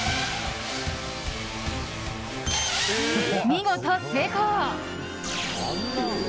見事、成功！